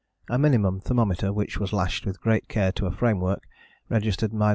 A minimum thermometer which was lashed with great care to a framework registered 73°.